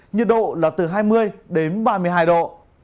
nhiệt độ là từ hai mươi đến ba mươi hai độ